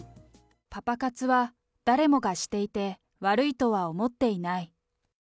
パパ活は誰もがしていて、悪いとは思っていない。